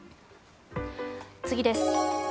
次です。